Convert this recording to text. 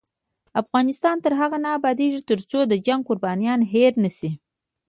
افغانستان تر هغو نه ابادیږي، ترڅو د جنګ قربانیان هیر نشي.